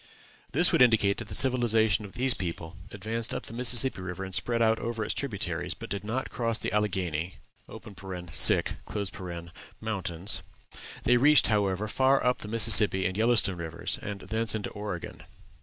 This would indicate that the civilization of this people advanced up the Mississippi River and spread out over its tributaries, but did not cross the Alleghany Mountains. They reached, however, far up the Missouri and Yellowstone rivers, and thence into Oregon.